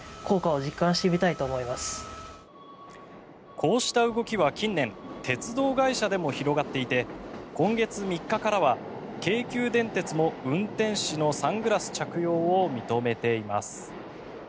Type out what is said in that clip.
こうした動きは近年、鉄道会社でも広がっていて今月３日からは京急電鉄も運転士のサングラス着用を認めています。